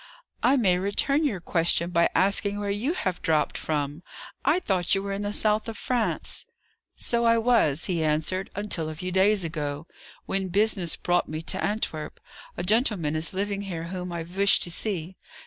"I may return your question by asking where you have dropped from. I thought you were in the south of France." "So I was," he answered, "until a few days ago, when business brought me to Antwerp. A gentleman is living here whom I wished to see.